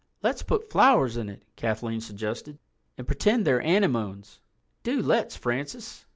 "Let's put flowers in it," Kathleen suggested, "and pretend they're anemones. Do let's, Francis."